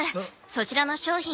そちらの商品